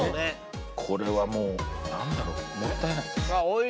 これはもう何だろうもったいない。